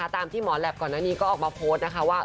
ตามที่หมอแหลปก่อนหน้านี้ก็ออกมาโพสต์นะคะว่า